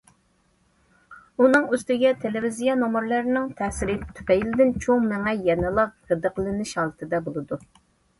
ئۇنىڭ ئۈستىگە تېلېۋىزىيە نومۇرلىرىنىڭ تەسىرى تۈپەيلىدىن چوڭ مېڭە يەنىلا غىدىقلىنىش ھالىتىدە بولىدۇ.